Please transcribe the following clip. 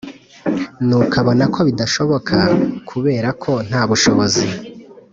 N’ukabona ko bidashoboka kubera ko nta bushobozi